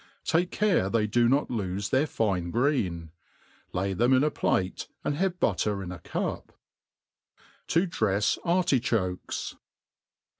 Take care they do not loofe their fine green* Lay them in a plate, and have butter in a cup% To drefs Artuhokes.